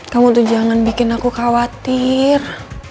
kamu tuh jangan bikin aku khawatir